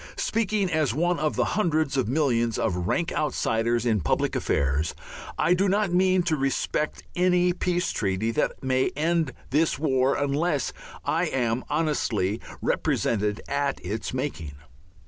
Speaking as one of the hundreds of millions of "rank outsiders" in public affairs, I do not mean to respect any peace treaty that may end this war unless I am honestly represented at its making.